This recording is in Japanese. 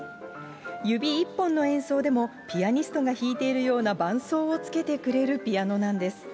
指１本の演奏でもピアニストが弾いているような伴奏をつけてくれるピアノなんです。